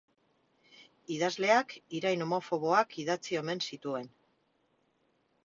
Idazleak irain homofoboak idatzi omen zituen.